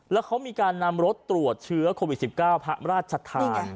แล้วเขามีการนำรถตรวจเชื้อโควิด๑๙พระราชทาน